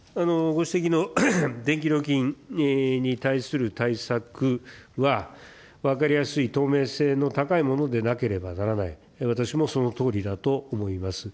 ご指摘の電気料金に対する対策は、分かりやすい透明性の高いものでなければならない、私もそのとおりだと思います。